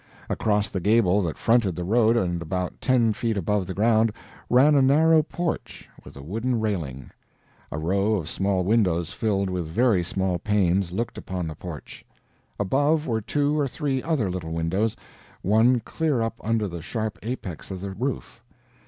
Across the gable that fronted the road, and about ten feet above the ground, ran a narrow porch, with a wooden railing; a row of small windows filled with very small panes looked upon the porch. Above were two or three other little windows, one clear up under the sharp apex of the roof.